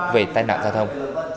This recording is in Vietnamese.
về tai nạn giao thông